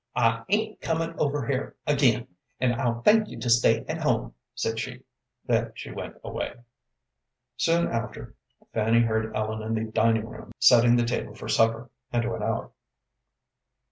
"I ain't comin' over here again, an' I'll thank you to stay at home," said she. Then she went away. Soon after Fanny heard Ellen in the dining room setting the table for supper, and went out.